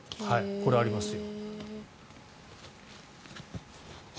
これ、ありますよ。